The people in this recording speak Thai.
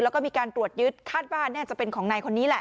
แล้วก็มีการตรวจยึดคาดว่าน่าจะเป็นของนายคนนี้แหละ